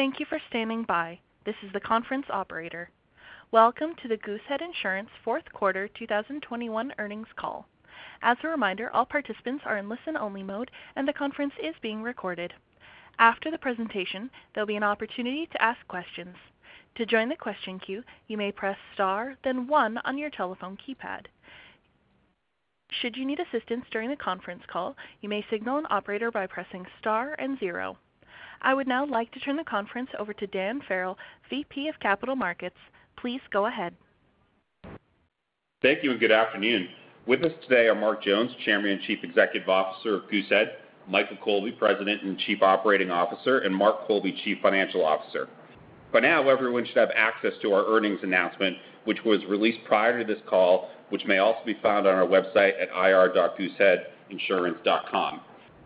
Thank you for standing by. This is the conference operator. Welcome to the Goosehead Insurance fourth quarter 2021 earnings call. As a reminder, all participants are in listen-only mode, and the conference is being recorded. After the presentation, there'll be an opportunity to ask questions. To join the question queue, you may press star, then one on your telephone keypad. Should you need assistance during the conference call, you may signal an operator by pressing star and zero. I would now like to turn the conference over to Dan Farrell, VP of Capital Markets. Please go ahead. Thank you and good afternoon. With us today are Mark Jones, Chairman and Chief Executive Officer of Goosehead, Michael Colby, President and Chief Operating Officer, and Mark Colby, Chief Financial Officer. By now, everyone should have access to our earnings announcement, which was released prior to this call, which may also be found on our website at ir.gooseheadinsurance.com.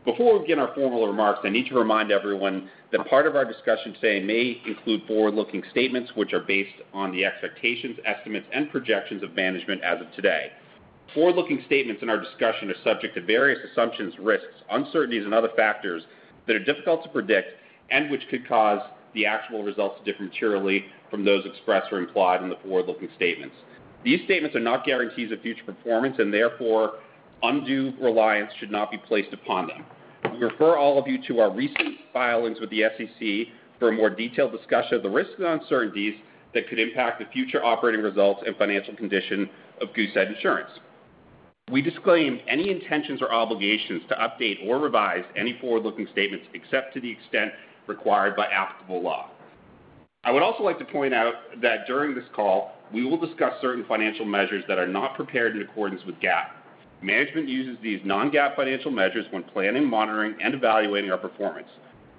Before we begin our formal remarks, I need to remind everyone that part of our discussion today may include forward-looking statements which are based on the expectations, estimates, and projections of management as of today. Forward-looking statements in our discussion are subject to various assumptions, risks, uncertainties, and other factors that are difficult to predict and which could cause the actual results to differ materially from those expressed or implied in the forward-looking statements. These statements are not guarantees of future performance and therefore, undue reliance should not be placed upon them. We refer all of you to our recent filings with the SEC for a more detailed discussion of the risks and uncertainties that could impact the future operating results and financial condition of Goosehead Insurance. We disclaim any intentions or obligations to update or revise any forward-looking statements except to the extent required by applicable law. I would also like to point out that during this call, we will discuss certain financial measures that are not prepared in accordance with GAAP. Management uses these non-GAAP financial measures when planning, monitoring, and evaluating our performance.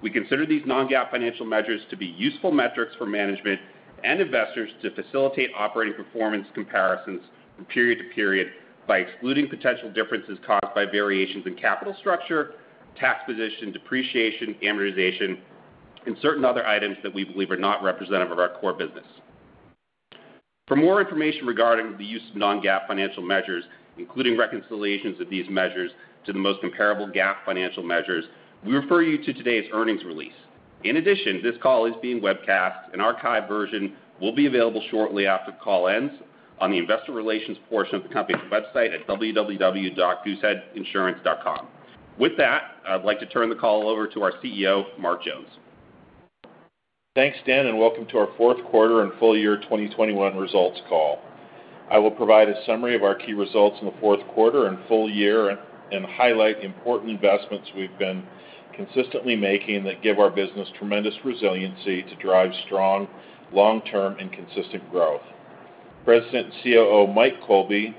We consider these non-GAAP financial measures to be useful metrics for management and investors to facilitate operating performance comparisons from period to period by excluding potential differences caused by variations in capital structure, tax position, depreciation, amortization, and certain other items that we believe are not representative of our core business. For more information regarding the use of non-GAAP financial measures, including reconciliations of these measures to the most comparable GAAP financial measures, we refer you to today's earnings release. In addition, this call is being webcast. An archived version will be available shortly after the call ends on the investor relations portion of the company's website at www.gooseheadinsurance.com. With that, I'd like to turn the call over to our CEO, Mark Jones. Thanks, Dan, and welcome to our fourth quarter and full-year 2021 results call. I will provide a summary of our key results in the fourth quarter and full-year, and highlight the important investments we've been consistently making that give our business tremendous resiliency to drive strong long-term and consistent growth. President and COO Mike Colby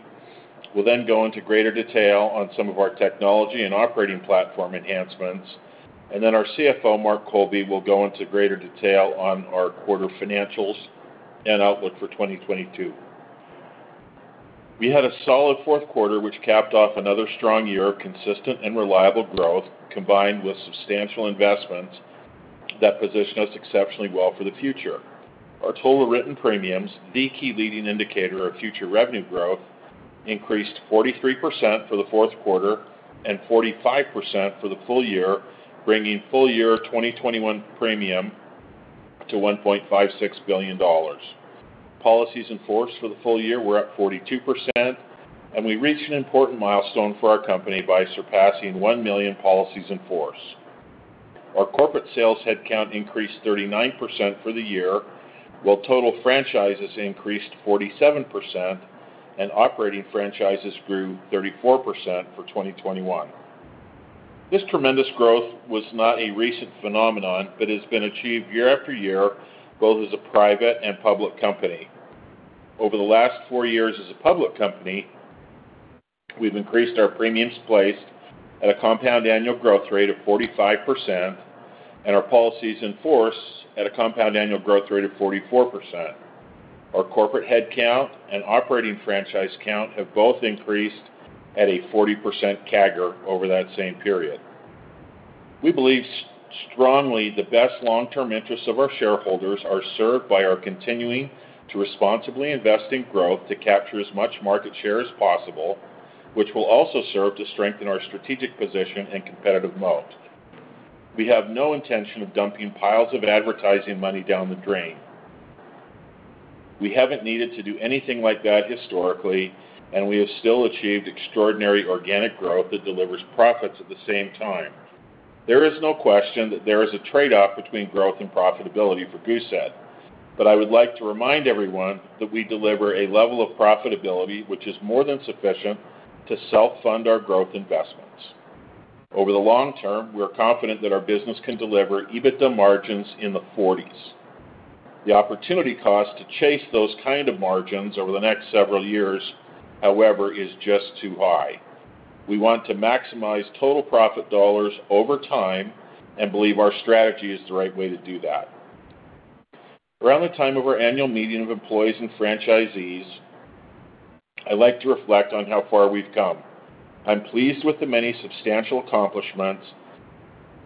will then go into greater detail on some of our technology and operating platform enhancements. Our CFO, Mark Colby, will go into greater detail on our quarter financials and outlook for 2022. We had a solid fourth quarter, which capped off another strong year of consistent and reliable growth, combined with substantial investments that position us exceptionally well for the future. Our total written premiums, the key leading indicator of future revenue growth, increased 43% for the fourth quarter and 45% for the full-year, bringing full-year 2021 premium to $1.56 billion. Policies in force for the full-year were up 42%, and we reached an important milestone for our company by surpassing 1 million policies in force. Our corporate sales headcount increased 39% for the year, while total franchises increased 47% and operating franchises grew 34% for 2021. This tremendous growth was not a recent phenomenon, but has been achieved year after year, both as a private and public company. Over the last four years as a public company, we've increased our premiums placed at a compound annual growth rate of 45% and our policies in force at a compound annual growth rate of 44%. Our corporate headcount and operating franchise count have both increased at a 40% CAGR over that same period. We believe strongly the best long-term interests of our shareholders are served by our continuing to responsibly invest in growth to capture as much market share as possible, which will also serve to strengthen our strategic position and competitive moat. We have no intention of dumping piles of advertising money down the drain. We haven't needed to do anything like that historically, and we have still achieved extraordinary organic growth that delivers profits at the same time. There is no question that there is a trade-off between growth and profitability for Goosehead. I would like to remind everyone that we deliver a level of profitability which is more than sufficient to self-fund our growth investments. Over the long term, we are confident that our business can deliver EBITDA margins in the 40s. The opportunity cost to chase those kind of margins over the next several years, however, is just too high. We want to maximize total profit dollars over time and believe our strategy is the right way to do that. Around the time of our annual meeting of employees and franchisees, I like to reflect on how far we've come. I'm pleased with the many substantial accomplishments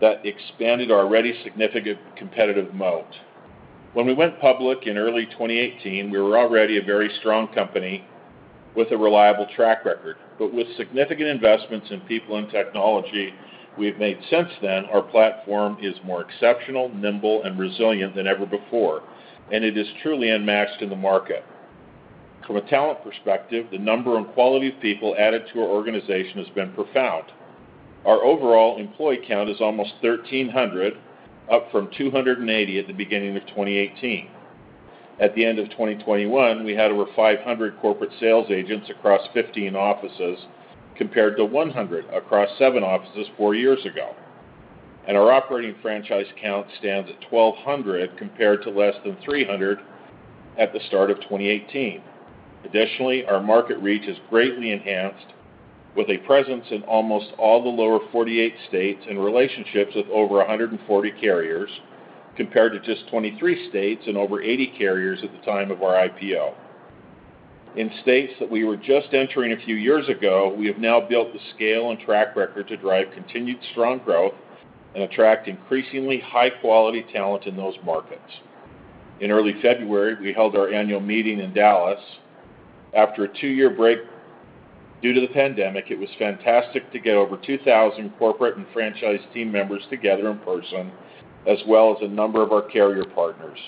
that expanded our already significant competitive moat. When we went public in early 2018, we were already a very strong company with a reliable track record. With significant investments in people and technology we have made since then, our platform is more exceptional, nimble, and resilient than ever before, and it is truly unmatched in the market. From a talent perspective, the number and quality of people added to our organization has been profound. Our overall employee count is almost 1,300, up from 280 at the beginning of 2018. At the end of 2021, we had over 500 corporate sales agents across 15 offices, compared to 100 across seven offices four years ago. Our operating franchise count stands at 1,200 compared to less than 300 at the start of 2018. Additionally, our market reach is greatly enhanced with a presence in almost all the lower 48 states and relationships with over 140 carriers, compared to just 23 states and over 80 carriers at the time of our IPO. In states that we were just entering a few years ago, we have now built the scale and track record to drive continued strong growth and attract increasingly high-quality talent in those markets. In early February, we held our annual meeting in Dallas. After a two-year break due to the pandemic, it was fantastic to get over 2,000 corporate and franchise team members together in person, as well as a number of our carrier partners.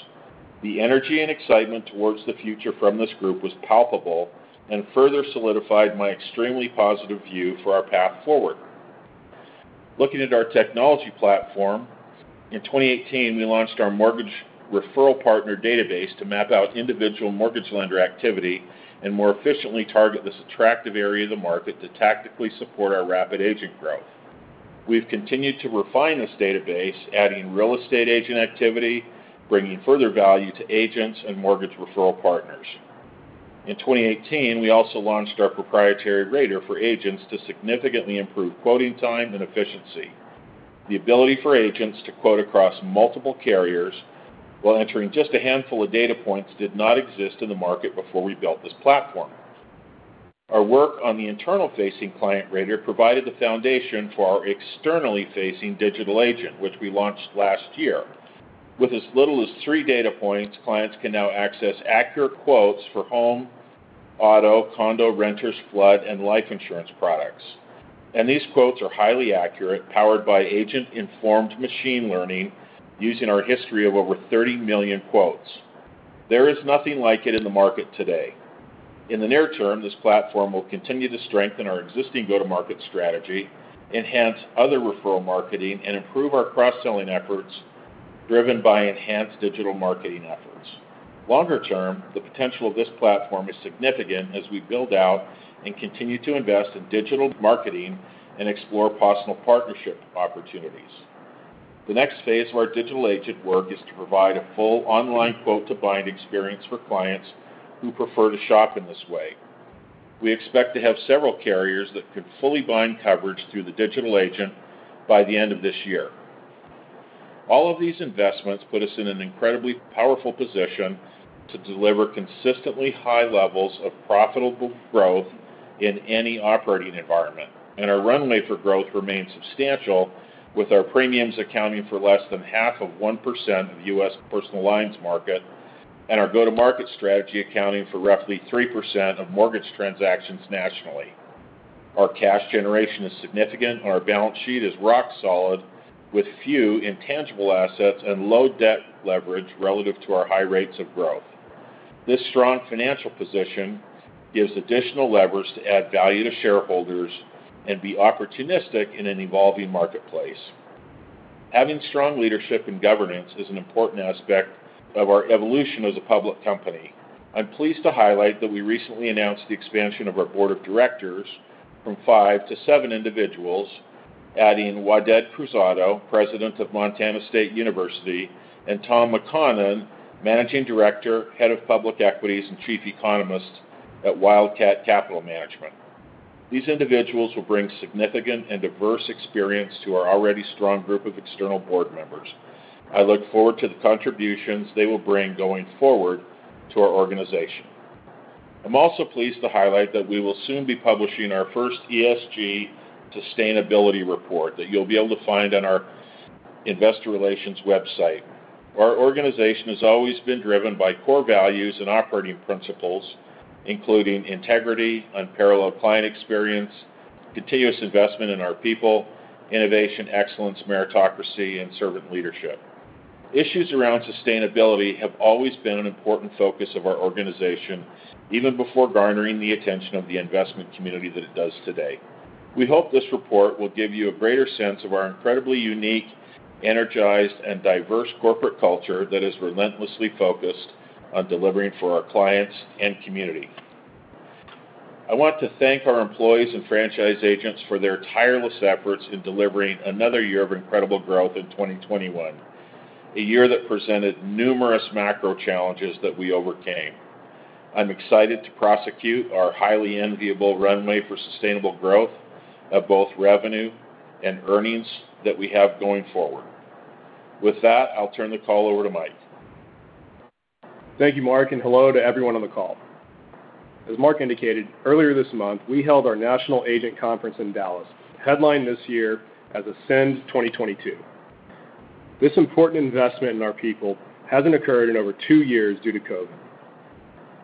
The energy and excitement towards the future from this group was palpable and further solidified my extremely positive view for our path forward. Looking at our technology platform, in 2018, we launched our mortgage referral partner database to map out individual mortgage lender activity and more efficiently target this attractive area of the market to tactically support our rapid agent growth. We've continued to refine this database, adding real estate agent activity, bringing further value to agents and mortgage referral partners. In 2018, we also launched our proprietary rater for agents to significantly improve quoting time and efficiency. The ability for agents to quote across multiple carriers while entering just a handful of data points did not exist in the market before we built this platform. Our work on the internally facing client rater provided the foundation for our externally facing Digital Agent, which we launched last year. With as little as three data points, clients can now access accurate quotes for home, auto, condo, renters, flood, and life insurance products. These quotes are highly accurate, powered by agent-informed machine learning using our history of over 30 million quotes. There is nothing like it in the market today. In the near term, this platform will continue to strengthen our existing go-to-market strategy, enhance other referral marketing, and improve our cross-selling efforts driven by enhanced digital marketing efforts. Longer term, the potential of this platform is significant as we build out and continue to invest in digital marketing and explore possible partnership opportunities. The next phase of our digital agent work is to provide a full online quote-to-bind experience for clients who prefer to shop in this way. We expect to have several carriers that can fully bind coverage through the digital agent by the end of this year. All of these investments put us in an incredibly powerful position to deliver consistently high levels of profitable growth in any operating environment. Our runway for growth remains substantial with our premiums accounting for less than half of 1% of the U.S. personal lines market and our go-to-market strategy accounting for roughly 3% of mortgage transactions nationally. Our cash generation is significant, and our balance sheet is rock solid with few intangible assets and low debt leverage relative to our high rates of growth. This strong financial position gives additional leverage to add value to shareholders and be opportunistic in an evolving marketplace. Having strong leadership and governance is an important aspect of our evolution as a public company. I'm pleased to highlight that we recently announced the expansion of our board of directors from five to seven individuals, adding Waded Cruzado, President of Montana State University, and Thomas McConnon, Managing Director, Head of Public Equities and Chief Economist at Wildcat Capital Management. These individuals will bring significant and diverse experience to our already strong group of external board members. I look forward to the contributions they will bring going forward to our organization. I'm also pleased to highlight that we will soon be publishing our first ESG sustainability report that you'll be able to find on our investor relations website. Our organization has always been driven by core values and operating principles, including integrity, unparalleled client experience, continuous investment in our people, innovation, excellence, meritocracy, and servant leadership. Issues around sustainability have always been an important focus of our organization, even before garnering the attention of the investment community that it does today. We hope this report will give you a greater sense of our incredibly unique, energized, and diverse corporate culture that is relentlessly focused on delivering for our clients and community. I want to thank our employees and franchise agents for their tireless efforts in delivering another year of incredible growth in 2021, a year that presented numerous macro challenges that we overcame. I'm excited to pursue our highly enviable runway for sustainable growth of both revenue and earnings that we have going forward. With that, I'll turn the call over to Mike. Thank you, Mark, and hello to everyone on the call. As Mark indicated, earlier this month, we held our national agent conference in Dallas, headlined this year as Ascend 2022. This important investment in our people hasn't occurred in over two years due to COVID.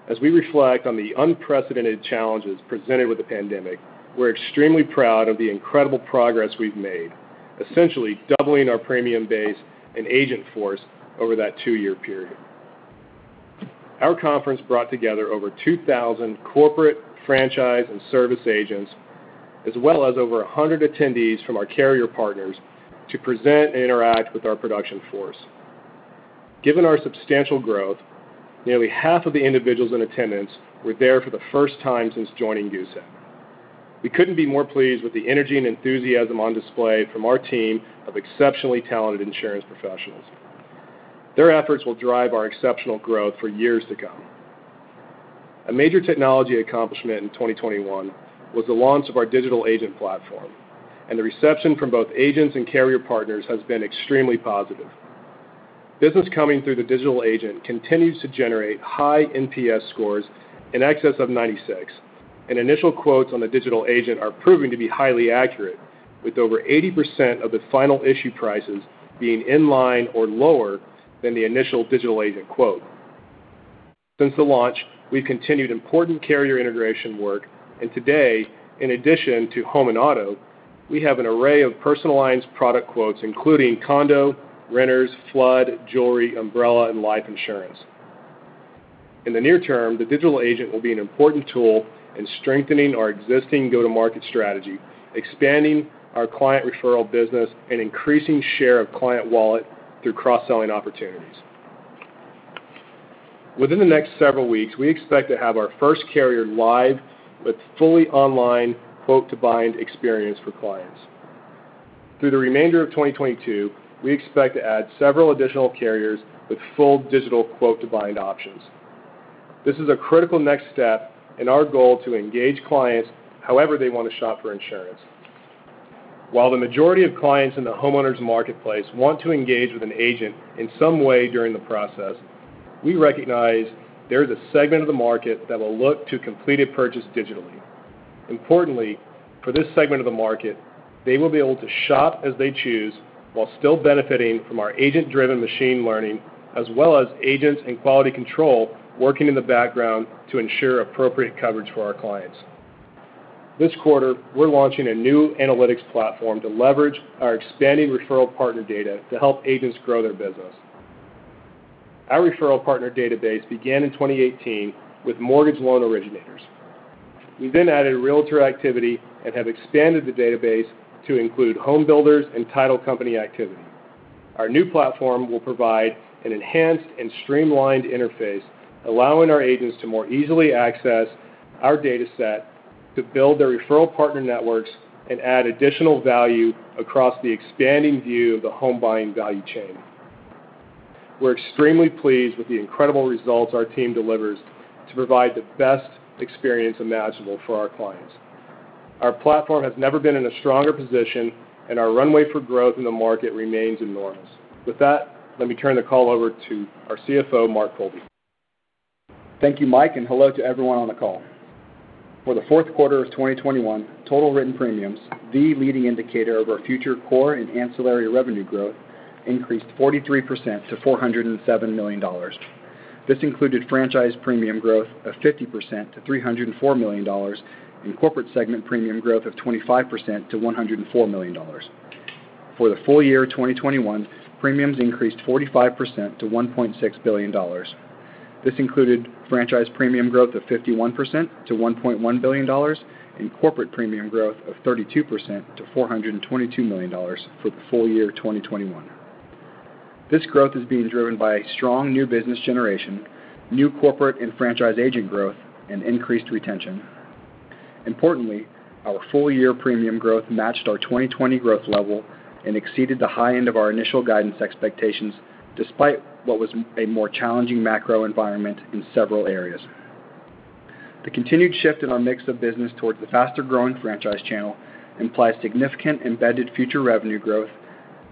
As we reflect on the unprecedented challenges presented with the pandemic, we're extremely proud of the incredible progress we've made, essentially doubling our premium base and agent force over that two-year period. Our conference brought together over 2,000 corporate, franchise, and service agents as well as over 100 attendees from our carrier partners to present and interact with our production force. Given our substantial growth, nearly half of the individuals in attendance were there for the first time since joining uncertain. We couldn't be more pleased with the energy and enthusiasm on display from our team of exceptionally talented insurance professionals. Their efforts will drive our exceptional growth for years to come. A major technology accomplishment in 2021 was the launch of our Digital Agent Platform, and the reception from both agents and carrier partners has been extremely positive. Business coming through the Digital Agent continues to generate high NPS scores in excess of 96, and initial quotes on the Digital Agent are proving to be highly accurate with over 80% of the final issue prices being in line or lower than the initial Digital Agent quote. Since the launch, we've continued important carrier integration work, and today, in addition to home and auto, we have an array of personal lines product quotes, including condo, renters, flood, jewelry, umbrella, and life insurance. In the near term, the digital agent will be an important tool in strengthening our existing go-to-market strategy, expanding our client referral business, and increasing share of client wallet through cross-selling opportunities. Within the next several weeks, we expect to have our first carrier live with fully online quote-to-bind experience for clients. Through the remainder of 2022, we expect to add several additional carriers with full digital quote-to-bind options. This is a critical next step in our goal to engage clients however they want to shop for insurance. While the majority of clients in the homeowners marketplace want to engage with an agent in some way during the process, we recognize there is a segment of the market that will look to complete a purchase digitally. Importantly, for this segment of the market, they will be able to shop as they choose while still benefiting from our agent-driven machine learning as well as agents and quality control working in the background to ensure appropriate coverage for our clients. This quarter, we're launching a new analytics platform to leverage our expanding referral partner data to help agents grow their business. Our referral partner database began in 2018 with mortgage loan originators. We then added realtor activity and have expanded the database to include home builders and title company activity. Our new platform will provide an enhanced and streamlined interface, allowing our agents to more easily access our dataset to build their referral partner networks and add additional value across the expanding view of the home buying value chain. We're extremely pleased with the incredible results our team delivers to provide the best experience imaginable for our clients. Our platform has never been in a stronger position, and our runway for growth in the market remains enormous. With that, let me turn the call over to our CFO, Mark Colby. Thank you, Mike, and hello to everyone on the call. For the fourth quarter of 2021, total written premiums, the leading indicator of our future core and ancillary revenue growth, increased 43% to $407 million. This included franchise premium growth of 50% to $304 million and corporate segment premium growth of 25% to $104 million. For the full-year 2021, premiums increased 45% to $1.6 billion. This included franchise premium growth of 51% to $1.1 billion and corporate premium growth of 32% to $422 million for the full-year 2021. This growth is being driven by a strong new business generation, new corporate and franchise agent growth, and increased retention. Importantly, our full-year premium growth matched our 2020 growth level and exceeded the high end of our initial guidance expectations despite what was a more challenging macro environment in several areas. The continued shift in our mix of business towards the faster-growing franchise channel implies significant embedded future revenue growth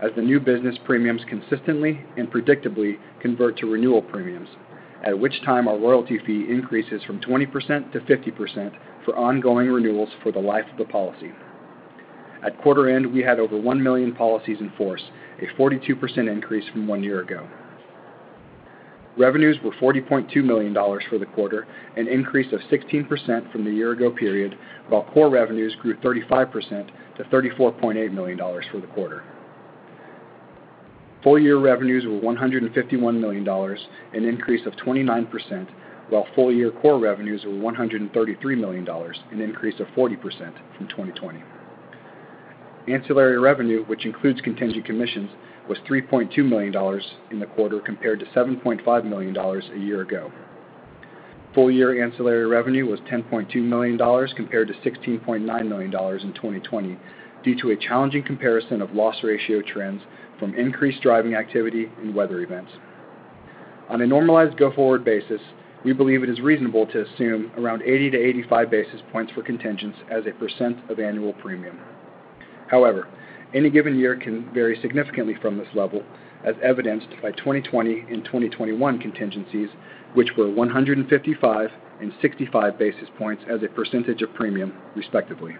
as the new business premiums consistently and predictably convert to renewal premiums, at which time our royalty fee increases from 20% to 50% for ongoing renewals for the life of the policy. At quarter end, we had over 1 million policies in force, a 42% increase from one year ago. Revenues were $40.2 million for the quarter, an increase of 16% from the year ago period, while core revenues grew 35% to $34.8 million for the quarter. full-year revenues were $151 million, an increase of 29%, while full-year core revenues were $133 million, an increase of 40% from 2020. Ancillary revenue, which includes contingent commissions, was $3.2 million in the quarter compared to $7.5 million a year ago. full-year ancillary revenue was $10.2 million compared to $16.9 million in 2020 due to a challenging comparison of loss ratio trends from increased driving activity and weather events. On a normalized go-forward basis, we believe it is reasonable to assume around 80-85 basis points for contingents as a percent of annual premium. However, any given year can vary significantly from this level, as evidenced by 2020 and 2021 contingencies, which were 155 and 65 basis points as a percentage of premium, respectively.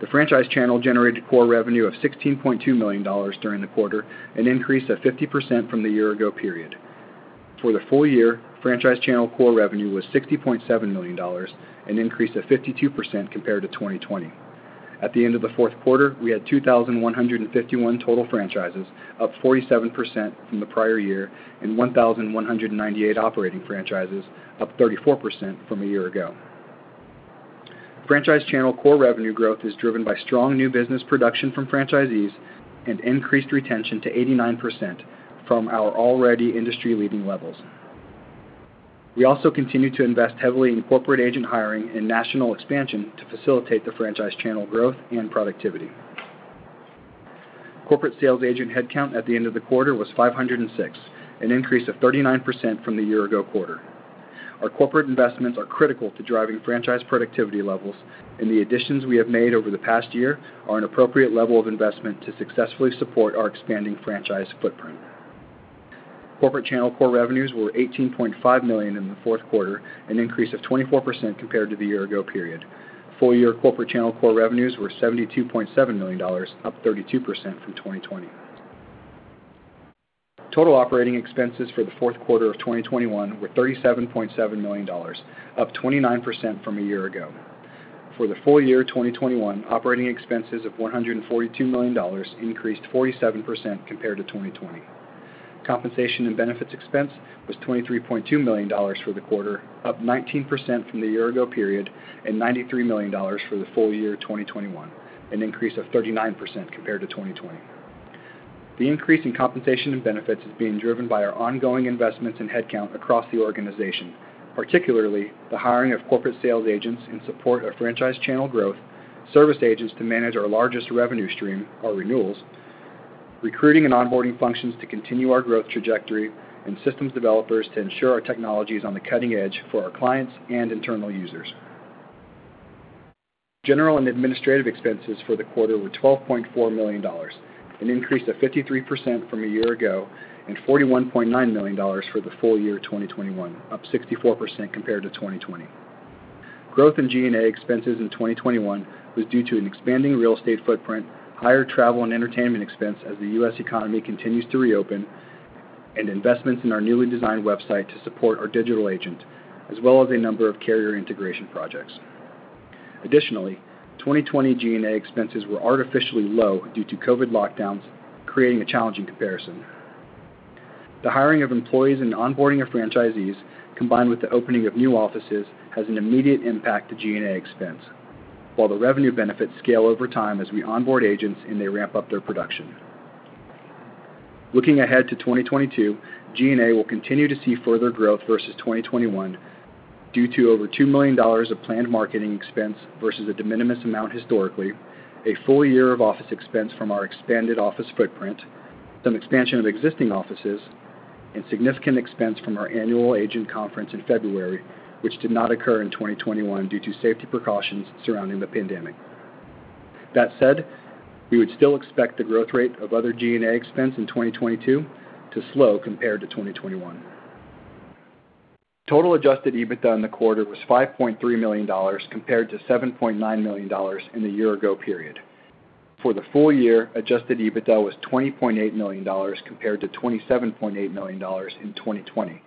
The franchise channel generated core revenue of $16.2 million during the quarter, an increase of 50% from the year ago period. For the full-year, franchise channel core revenue was $60.7 million, an increase of 52% compared to 2020. At the end of the fourth quarter, we had 2,151 total franchises, up 47% from the prior year, and 1,198 operating franchises, up 34% from a year ago. Franchise channel core revenue growth is driven by strong new business production from franchisees and increased retention to 89% from our already industry-leading levels. We also continue to invest heavily in corporate agent hiring and national expansion to facilitate the franchise channel growth and productivity. Corporate sales agent headcount at the end of the quarter was 506, an increase of 39% from the year ago quarter. Our corporate investments are critical to driving franchise productivity levels, and the additions we have made over the past year are an appropriate level of investment to successfully support our expanding franchise footprint. Corporate channel core revenues were $18.5 million in the fourth quarter, an increase of 24% compared to the year ago period. full-year corporate channel core revenues were $72.7 million, up 32% from 2020. Total operating expenses for the fourth quarter of 2021 were $37.7 million, up 29% from a year ago. For the full-year 2021, operating expenses of $142 million increased 47% compared to 2020. The increase in compensation and benefits is being driven by our ongoing investments in headcount across the organization, particularly the hiring of corporate sales agents in support of franchise channel growth, service agents to manage our largest revenue stream, our renewals, recruiting and onboarding functions to continue our growth trajectory, and systems developers to ensure our technology is on the cutting edge for our clients and internal users. General and administrative expenses for the quarter were $12.4 million, an increase of 53% from a year ago, and $41.9 million for the full-year 2021, up 64% compared to 2020. Growth in G&A expenses in 2021 was due to an expanding real estate footprint, higher travel and entertainment expense as the U.S. economy continues to reopen, and investments in our newly designed website to support our digital agent, as well as a number of carrier integration projects. Additionally, 2020 G&A expenses were artificially low due to COVID lockdowns, creating a challenging comparison. The hiring of employees and onboarding of franchisees combined with the opening of new offices has an immediate impact to G&A expense, while the revenue benefits scale over time as we onboard agents and they ramp up their production. Looking ahead to 2022, G&A will continue to see further growth versus 2021 due to over $2 million of planned marketing expense versus a de minimis amount historically, a full-year of office expense from our expanded office footprint, some expansion of existing offices, and significant expense from our annual agent conference in February, which did not occur in 2021 due to safety precautions surrounding the pandemic. That said, we would still expect the growth rate of other G&A expense in 2022 to slow compared to 2021. Total adjusted EBITDA in the quarter was $5.3 million compared to $7.9 million in the year ago period. For the full-year, adjusted EBITDA was $20.8 million compared to $27.8 million in 2020.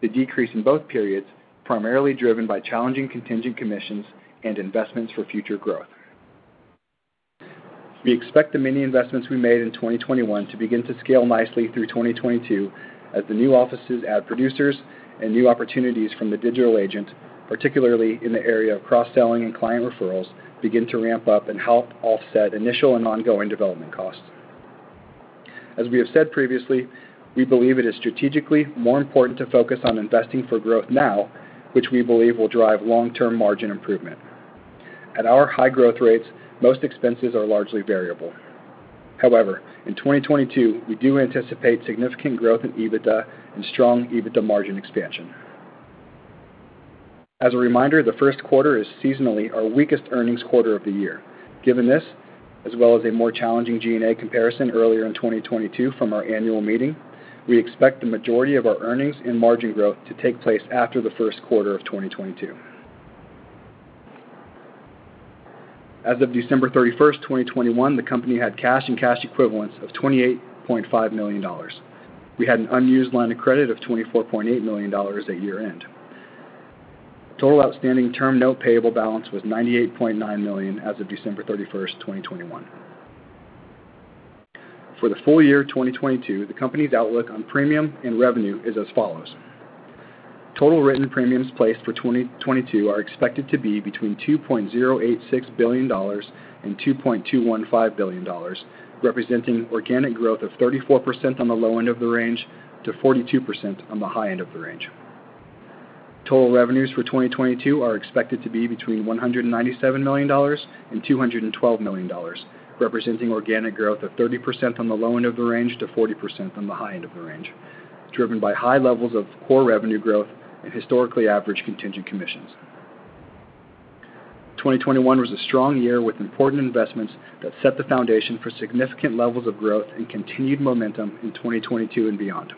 The decrease in both periods was primarily driven by challenging contingent commissions and investments for future growth. We expect the many investments we made in 2021 to begin to scale nicely through 2022 as the new offices add producers and new opportunities from the digital agent, particularly in the area of cross-selling and client referrals, begin to ramp up and help offset initial and ongoing development costs. We have said previously, we believe it is strategically more important to focus on investing for growth now, which we believe will drive long-term margin improvement. At our high growth rates, most expenses are largely variable. In 2022, we do anticipate significant growth in EBITDA and strong EBITDA margin expansion. As a reminder, the first quarter is seasonally our weakest earnings quarter of the year. Given this, as well as a more challenging G&A comparison earlier in 2022 from our annual meeting, we expect the majority of our earnings and margin growth to take place after the first quarter of 2022. As of December 31, 2021, the company had cash and cash equivalents of $28.5 million. We had an unused line of credit of $24.8 million at year-end. Total outstanding term note payable balance was $98.9 million as of December 31, 2021. For the full-year 2022, the company's outlook on premium and revenue is as follows: Total written premiums placed for 2022 are expected to be between $2.086 billion and $2.215 billion, representing organic growth of 34% on the low end of the range to 42% on the high end of the range. Total revenues for 2022 are expected to be between $197 million and $212 million, representing organic growth of 30% on the low end of the range to 40% on the high end of the range, driven by high levels of core revenue growth and historically average contingent commissions. 2021 was a strong year with important investments that set the foundation for significant levels of growth and continued momentum in 2022 and beyond.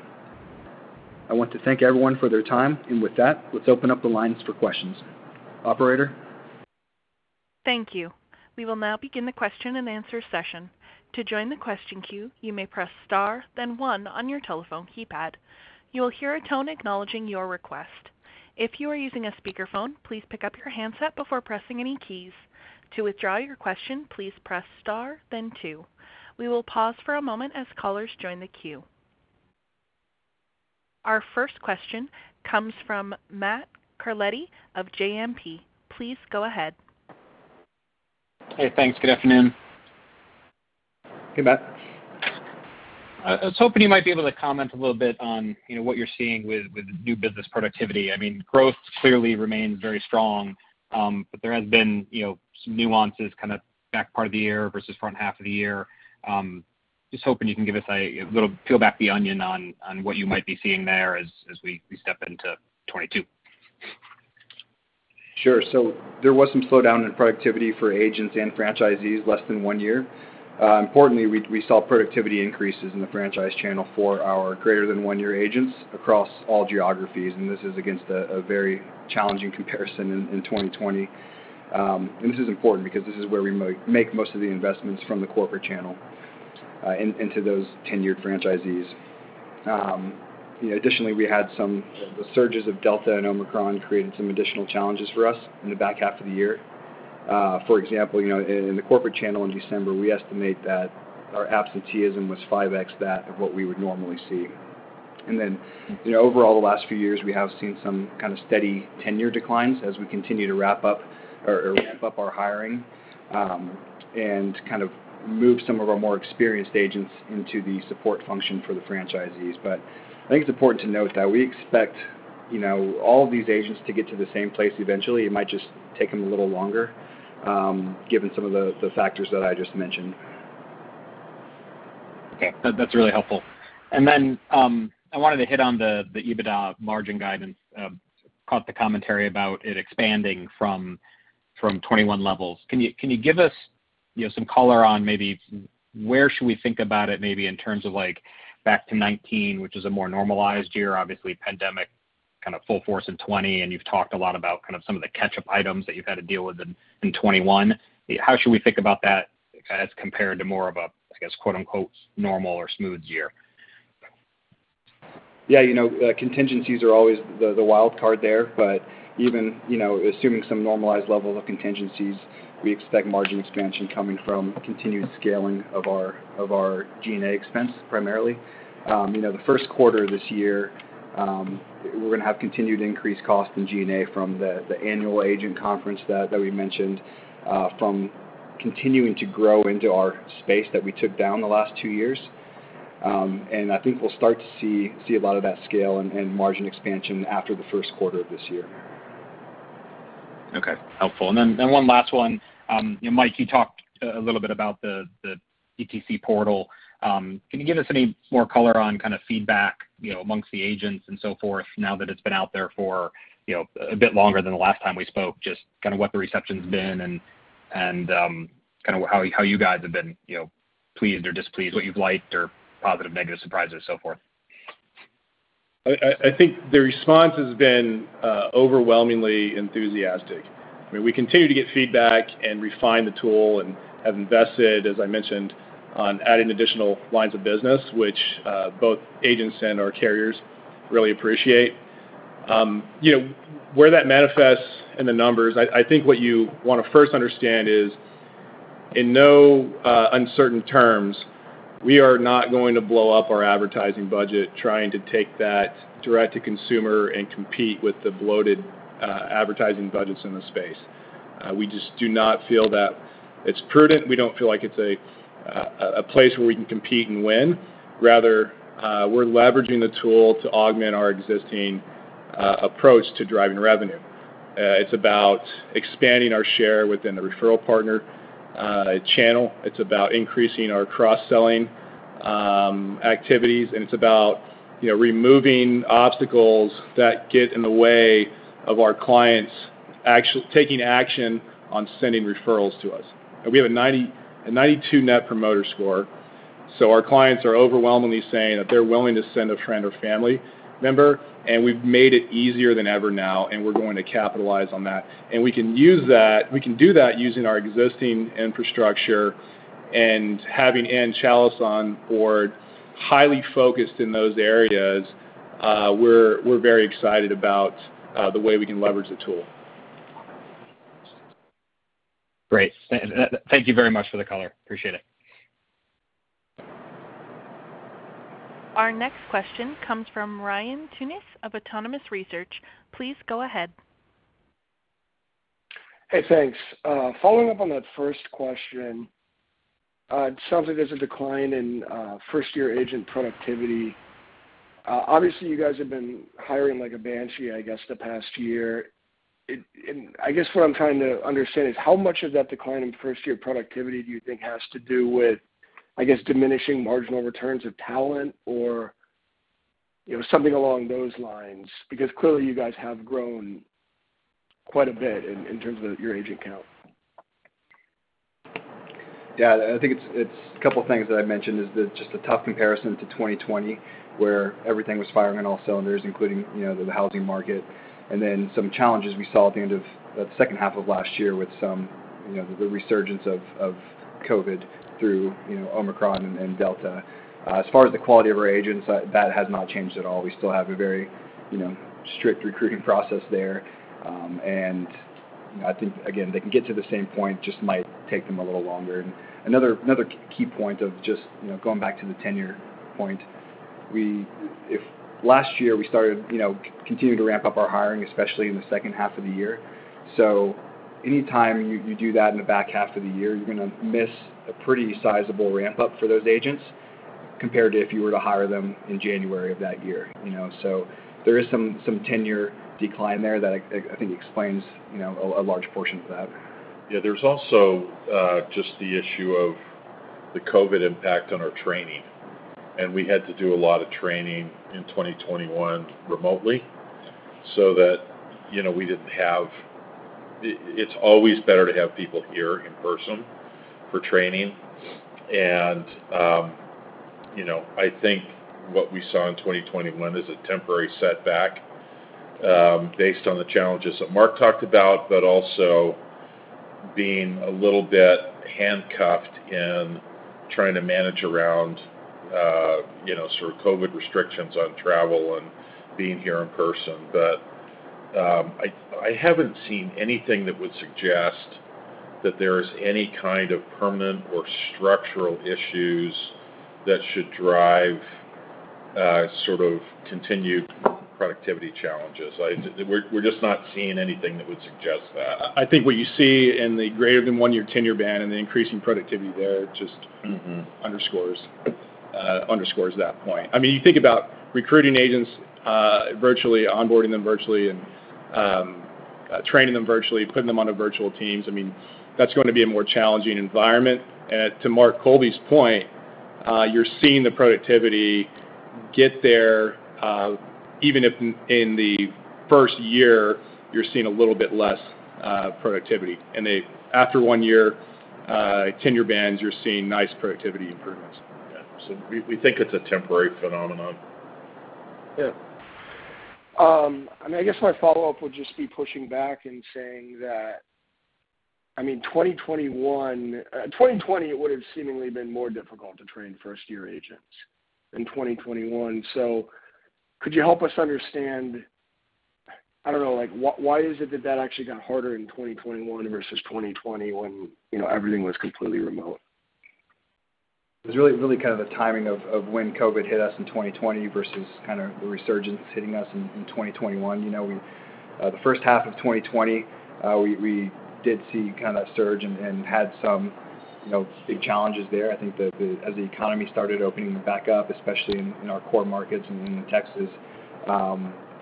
I want to thank everyone for their time. With that, let's open up the lines for questions. Operator? Thank you. We will now begin the question-and-answer session. To join the question queue, you may press star, then one on your telephone keypad. You will hear a tone acknowledging your request. If you are using a speakerphone, please pick up your handset before pressing any keys. To withdraw your question, please press star then two. We will pause for a moment as callers join the queue. Our first question comes from Matt Carletti of JMP. Please go ahead. Hey, thanks. Good afternoon. Hey, Matt. I was hoping you might be able to comment a little bit on, you know, what you're seeing with new business productivity. I mean, growth clearly remains very strong, but there has been, you know, some nuances kind of back part of the year versus front half of the year. Just hoping you can give us a little peel back the onion on what you might be seeing there as we step into 2022. Sure. There was some slowdown in productivity for agents and franchisees less than one year. Importantly, we saw productivity increases in the franchise channel for our greater than one-year agents across all geographies, and this is against a very challenging comparison in 2020. This is important because this is where we make most of the investments from the corporate channel into those tenured franchisees. You know, additionally, we had some. The surges of Delta and Omicron created some additional challenges for us in the back half of the year. For example, you know, in the corporate channel in December, we estimate that our absenteeism was 5x that of what we would normally see. You know, overall, the last few years, we have seen some kind of steady tenure declines as we continue to wrap up or ramp up our hiring, and kind of move some of our more experienced agents into the support function for the franchisees. I think it's important to note that we expect, you know, all of these agents to get to the same place eventually. It might just take them a little longer, given some of the factors that I just mentioned. Okay. That's really helpful. I wanted to hit on the EBITDA margin guidance. I caught the commentary about it expanding from 21% levels. Can you give us, you know, some color on maybe where we should think about it maybe in terms of like back to 2019, which is a more normalized year. Obviously, pandemic kind of full force in 2020, and you've talked a lot about kind of some of the catch-up items that you've had to deal with in 2021. How should we think about that as compared to more of a, I guess, quote-unquote, "normal or smooth year"? Yeah. You know, contingencies are always the wild card there. But even, you know, assuming some normalized level of contingencies, we expect margin expansion coming from continued scaling of our G&A expense primarily. You know, the first quarter this year, we're gonna have continued increased cost in G&A from the annual agent conference that we mentioned, from continuing to grow into our space that we took down the last two years. And I think we'll start to see a lot of that scale and margin expansion after the first quarter of this year. Okay. Helpful. Then one last one. You know, Mike, you talked a little bit about the Digital Agent. Can you give us any more color on kind of feedback, you know, amongst the agents and so forth now that it's been out there for, you know, a bit longer than the last time we spoke, just kind of what the reception's been and kind of how you guys have been, you know, pleased or displeased, what you've liked or positive, negative surprises, so forth? I think the response has been overwhelmingly enthusiastic. I mean, we continue to get feedback and refine the tool and have invested, as I mentioned, on adding additional lines of business, which both agents and our carriers really appreciate. You know, where that manifests in the numbers, I think what you wanna first understand is, in no uncertain terms, we are not going to blow up our advertising budget trying to take that direct to consumer and compete with the bloated advertising budgets in the space. We just do not feel that it's prudent. We don't feel like it's a place where we can compete and win. Rather, we're leveraging the tool to augment our existing approach to driving revenue. It's about expanding our share within the referral partner channel. It's about increasing our cross-selling activities, and it's about, you know, removing obstacles that get in the way of our clients taking action on sending referrals to us. We have a 92 Net Promoter Score, so our clients are overwhelmingly saying that they're willing to send a friend or family member, and we've made it easier than ever now, and we're going to capitalize on that. We can use that. We can do that using our existing infrastructure and having analytics on board, highly focused in those areas, we're very excited about the way we can leverage the tool. Great. Thank you very much for the color. Appreciate it. Our next question comes from Ryan Tunis of Autonomous Research. Please go ahead. Hey, thanks. Following up on that first question, it sounds like there's a decline in first-year agent productivity. Obviously you guys have been hiring like a banshee, I guess, the past year. I guess what I'm trying to understand is how much of that decline in first-year productivity do you think has to do with, I guess, diminishing marginal returns of talent or, you know, something along those lines? Because clearly, you guys have grown quite a bit in terms of your agent count. Yeah. I think it's a couple things that I mentioned, just a tough comparison to 2020, where everything was firing on all cylinders, including, you know, the housing market, and then some challenges we saw at the end of the second half of last year with some, you know, the resurgence of COVID through, you know, Omicron and Delta. As far as the quality of our agents, that has not changed at all. We still have a very, you know, strict recruiting process there. I think, again, they can get to the same point, just might take them a little longer. Another key point of just, you know, going back to the tenure point, last year, we started, you know, continuing to ramp up our hiring, especially in the second half of the year. Anytime you do that in the back half of the year, you're gonna miss a pretty sizable ramp-up for those agents compared to if you were to hire them in January of that year, you know. There is some tenure decline there that I think explains, you know, a large portion of that. Yeah. There's also just the issue of the COVID impact on our training, and we had to do a lot of training in 2021 remotely so that, you know, we didn't have. It's always better to have people here in person for training. I think what we saw in 2021 is a temporary setback based on the challenges that Mark talked about, but also being a little bit handcuffed in trying to manage around, you know, sort of COVID restrictions on travel and being here in person. I haven't seen anything that would suggest that there is any kind of permanent or structural issues that should drive sort of continued productivity challenges. We're just not seeing anything that would suggest that. I think what you see in the greater than one-year tenure band and the increase in productivity there just. Mm-hmm... underscores that point. I mean, you think about recruiting agents virtually, onboarding them virtually, and training them virtually, putting them onto virtual teams. I mean, that's going to be a more challenging environment. To Mark Colby's point, you're seeing the productivity get there, even if in the first-year you're seeing a little bit less productivity. After one year tenure bands, you're seeing nice productivity improvements. Yeah. We think it's a temporary phenomenon. I mean, I guess my follow-up would just be pushing back and saying that, I mean, 2020, it would've seemingly been more difficult to train first-year agents than 2021. Could you help us understand, I don't know, like why is it that actually got harder in 2021 versus 2020 when, you know, everything was completely remote? It was really kind of the timing of when COVID hit us in 2020 versus kind of the resurgence hitting us in 2021. You know, the first half of 2020, we did see kind of that surge and had some, you know, big challenges there. I think as the economy started opening back up, especially in our core markets in Texas,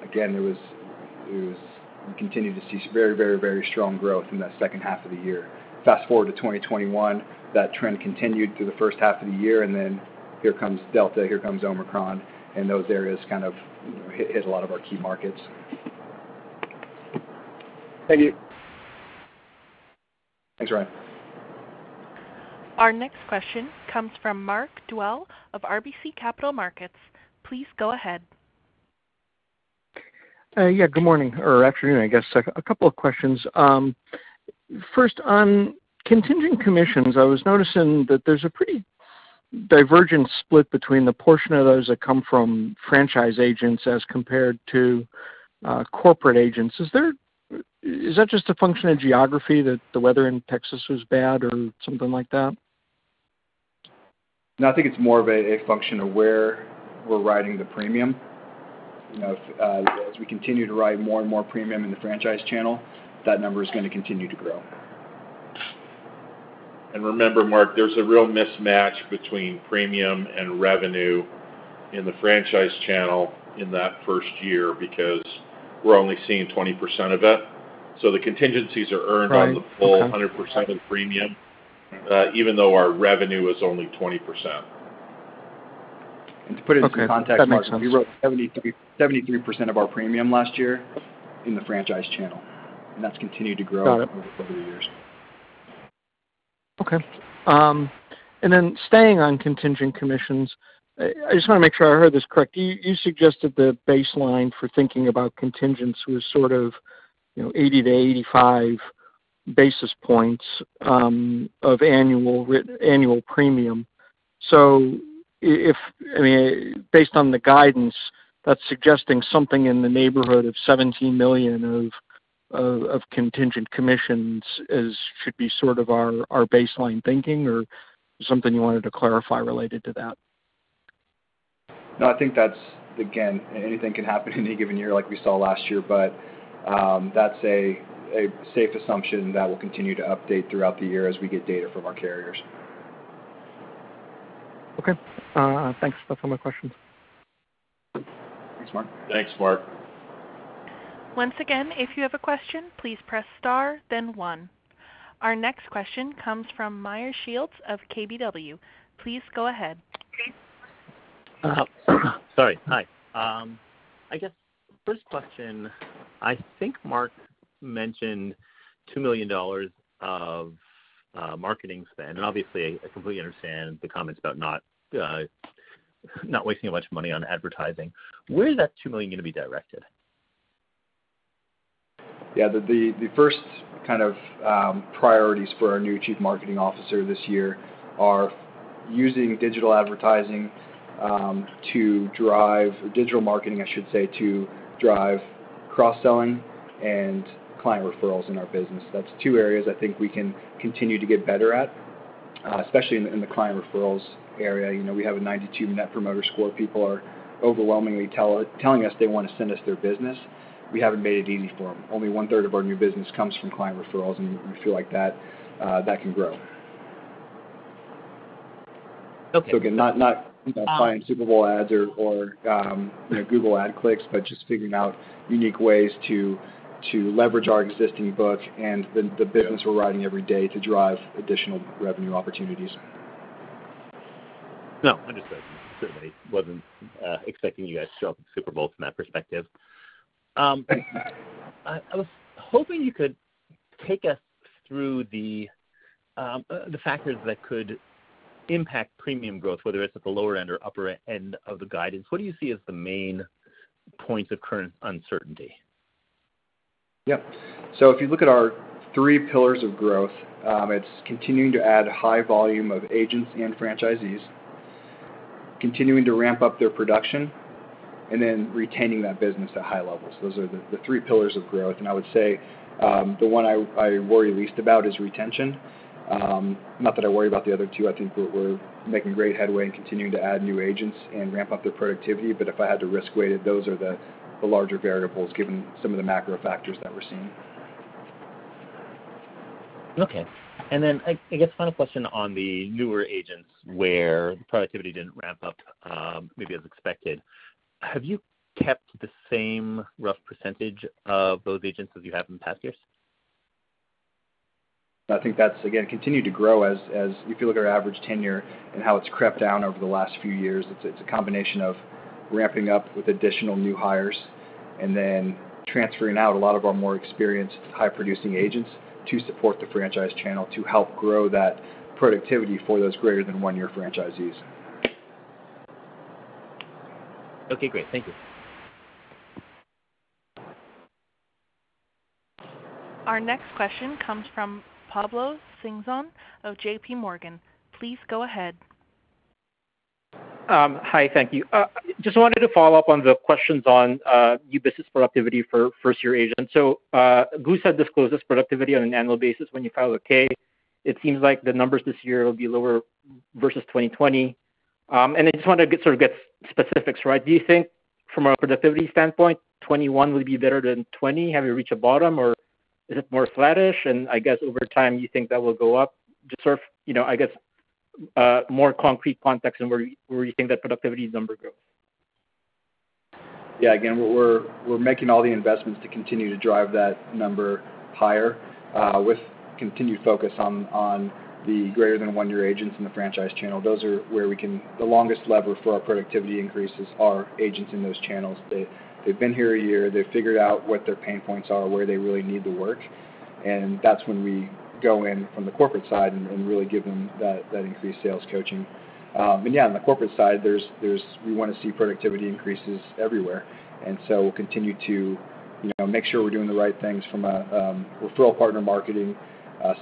again, we continued to see some very strong growth in that second half of the year. Fast-forward to 2021, that trend continued through the first half of the year, and then here comes Delta, here comes Omicron, and those areas kind of, you know, hit a lot of our key markets. Thank you. Thanks, Ryan. Our next question comes from Mark Dwelle of RBC Capital Markets. Please go ahead. Yeah. Good morning, or afternoon, I guess. A couple of questions. First, on contingent commissions, I was noticing that there's a pretty divergent split between the portion of those that come from franchise agents as compared to corporate agents. Is that just a function of geography, that the weather in Texas was bad or something like that? No, I think it's more of a function of where we're writing the premium. You know, as we continue to write more and more premium in the franchise channel, that number is gonna continue to grow. Remember, Mark, there's a real mismatch between premium and revenue in the franchise channel in that first-year because we're only seeing 20% of it. The contingencies are earned- Right. Okay... on the full 100% of premium, even though our revenue is only 20%. To put it into context, Mark. Okay. That makes sense.... we wrote 73% of our premium last year in the franchise channel, and that's continued to grow. Got it. over the years. Okay. Staying on contingent commissions, I just wanna make sure I heard this correctly. You suggested the baseline for thinking about contingents was sort of, you know, 80-85 basis points of annual premium. I mean, based on the guidance, that's suggesting something in the neighborhood of $17 million of contingent commissions should be sort of our baseline thinking, or is there something you wanted to clarify related to that? No, I think that's. Again, anything can happen in any given year, like we saw last year. That's a safe assumption that we'll continue to update throughout the year as we get data from our carriers. Okay. Thanks. That's all my questions. Thanks, Mark. Thanks, Mark. Once again, if you have a question, please press star then one. Our next question comes from Meyer Shields of KBW. Please go ahead. Sorry. Hi. I guess first question. I think Mark mentioned $2 million of marketing spend, and obviously I completely understand the comments about not wasting a bunch of money on advertising. Where is that $2 million gonna be directed? Yeah. The first kind of priorities for our new chief marketing officer this year are using digital advertising to drive digital marketing, I should say, to drive cross-selling and client referrals in our business. That's two areas I think we can continue to get better at, especially in the client referrals area. You know, we have a 92 Net Promoter Score. People are overwhelmingly telling us they wanna send us their business. We haven't made it easy for 'em. Only one-third of our new business comes from client referrals, and we feel like that can grow. Okay. Again, not you know, buying Super Bowl ads or you know, Google ad clicks, but just figuring out unique ways to leverage our existing books and the business we're writing every day to drive additional revenue opportunities. No, understood. Certainly wasn't expecting you guys to show up in the Super Bowl from that perspective. I was hoping you could take us through the factors that could impact premium growth, whether it's at the lower end or upper end of the guidance. What do you see as the main points of current uncertainty? Yeah. If you look at our three pillars of growth, it's continuing to add high volume of agents and franchisees, continuing to ramp up their production, and then retaining that business at high levels. Those are the three pillars of growth. I would say, the one I worry least about is retention. Not that I worry about the other two. I think we're making great headway in continuing to add new agents and ramp up their productivity, but if I had to risk weight it, those are the larger variables given some of the macro factors that we're seeing. Okay. I guess final question on the newer agents where productivity didn't ramp up, maybe as expected. Have you kept the same rough percentage of those agents as you have in past years? I think that's, again, continued to grow as if you look at our average tenure and how it's crept down over the last few years. It's a combination of ramping up with additional new hires and then transferring out a lot of our more experienced high-producing agents to support the franchise channel to help grow that productivity for those greater than one-year franchisees. Okay, great. Thank you. Our next question comes from Pablo Singzon of J.P. Morgan. Please go ahead. Hi. Thank you. Just wanted to follow up on the questions on new business productivity for first-year agents. Goosehead disclosed this productivity on an annual basis when you file a K. It seems like the numbers this year will be lower versus 2020. I just wanted to get sort of specifics, right? Do you think from a productivity standpoint, 2021 will be better than 2020? Have you reached a bottom or is it more flattish? I guess over time you think that will go up? Just sort of, you know, I guess, more concrete context in where you think that productivity number goes. Yeah, again, we're making all the investments to continue to drive that number higher, with continued focus on the greater than one-year agents in the franchise channel. Those are the longest lever for our productivity increases, agents in those channels. They've been here a year, they've figured out what their pain points are, where they really need the work, and that's when we go in from the corporate side and really give them that increased sales coaching. Yeah, on the corporate side, we wanna see productivity increases everywhere. We'll continue to, you know, make sure we're doing the right things from a referral partner marketing,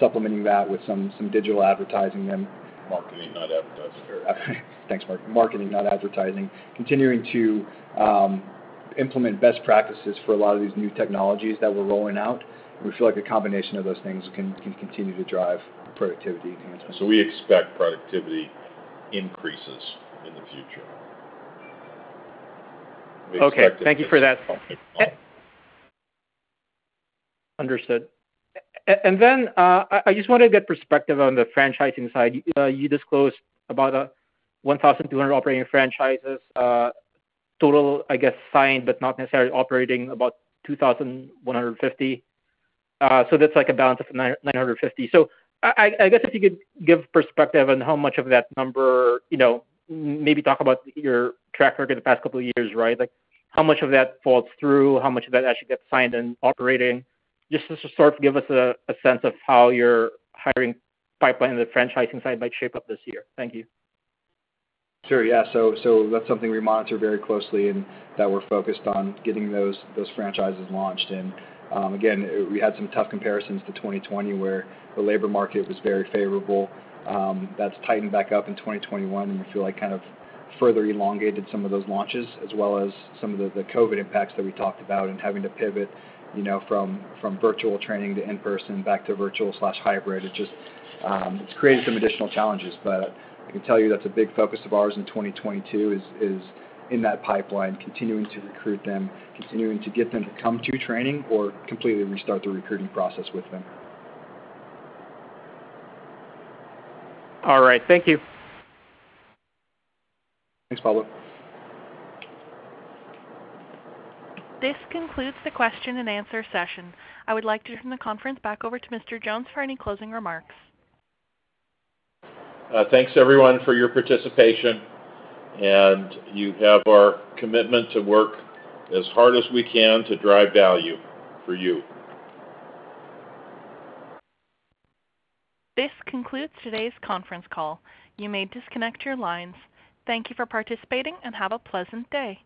supplementing that with some digital advertising and Marketing, not advertising. Thanks, Mark. Marketing, not advertising. Continuing to implement best practices for a lot of these new technologies that we're rolling out. We feel like a combination of those things can continue to drive productivity gains. We expect productivity increases in the future. We expect it. Okay, thank you for that. Understood. Then I just wanted to get perspective on the franchising side. You disclosed about 1,200 operating franchises total, I guess, signed, but not necessarily operating about 2,150. That's like a balance of 950. I guess if you could give perspective on how much of that number, you know, maybe talk about your track record the past couple of years, right? Like how much of that falls through, how much of that actually gets signed and operating. Just to sort of give us a sense of how your hiring pipeline on the franchising side might shape up this year. Thank you. That's something we monitor very closely and that we're focused on getting those franchises launched. Again, we had some tough comparisons to 2020 where the labor market was very favorable. That's tightened back up in 2021, and we feel like kind of further elongated some of those launches as well as some of the COVID impacts that we talked about and having to pivot, you know, from virtual training to in-person back to virtual hybrid. It's just created some additional challenges. I can tell you that's a big focus of ours in 2022 in that pipeline, continuing to recruit them, continuing to get them to come to training or completely restart the recruiting process with them. All right. Thank you. Thanks, Pablo. This concludes the question and answer session. I would like to turn the conference back over to Mr. Jones for any closing remarks. Thanks everyone for your participation, and you have our commitment to work as hard as we can to drive value for you. This concludes today's conference call. You may disconnect your lines. Thank you for participating and have a pleasant day.